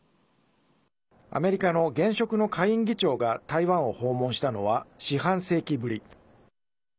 アメリカの現職の下院議長が台湾を訪問したのは四半世紀ぶり。